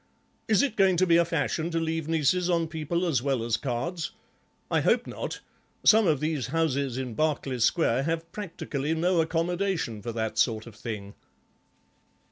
Is it going to be a fashion to leave nieces on people as well as cards? I hope not; some of these houses in Berkeley square have practically no accommodation for that sort of thing."